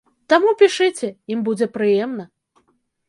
Таму пішыце, ім будзе прыемна.